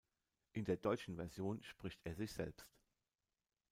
In der deutschen Version spricht er sich selbst.